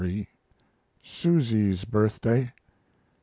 Susy's birthday.